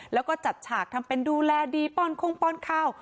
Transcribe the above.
แล้วก็จัดฉากทำเป็นดูแลดีป้อนคงป้อนข้าว